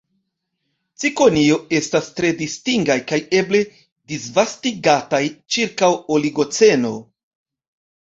Cikonioj estas tre distingaj kaj eble disvastigataj ĉirkaŭ Oligoceno.